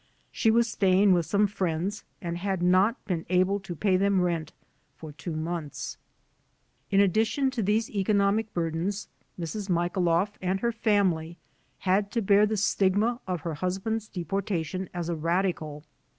She was staying with some friends and had not been able to pay them rent for two months. In addition to these economic burdens, Mrs. Michailoff and her family had to bear the stigma of her husband's deportation as a radical.